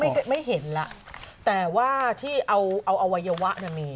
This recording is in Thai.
อันนี้ไม่เห็นละแต่ว่าที่เอาอวัยวะมันมี